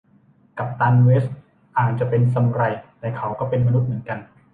กัปตันเวสท์อาจจะเป็นซามูไร แต่เขาก็เป็นมนุษย์เหมือนกัน